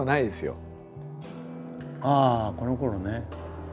・ああこのころね。